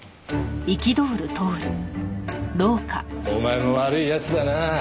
お前も悪い奴だなぁ。